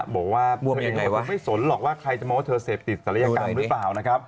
บอกว่าไม่สนหรอกใครจะมาว่าเธอเสพติดสรรยากาศหรือเปล่า